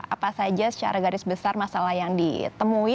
apa saja secara garis besar masalah yang ditemui